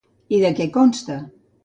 I de què consta?